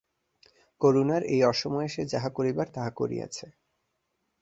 করুণার এই অসময়ে সে যাহা করিবার তাহা করিয়াছে।